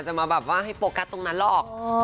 มาแบบว่าให้โฟกัสตรงนั้นหรอก